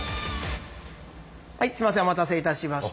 はいすいませんお待たせいたしました。